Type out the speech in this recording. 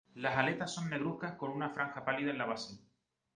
Las aletas son negruzcas con una franja pálida en la base.